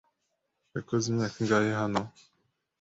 yakoze imyaka ingahe hano?